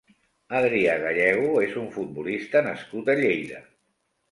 Adrià Gallego és un futbolista nascut a Lleida.